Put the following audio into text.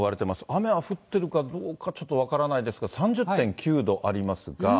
雨は降ってるかどうかちょっと分からないですが、３０．９度ありますが。